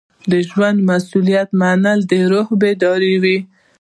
د ژوند مسؤلیت منل روح بیداروي.